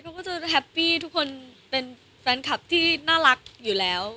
เขาก็จะแฮปปี้ทุกคนเป็นแฟนคลับที่น่ารักอยู่แล้ว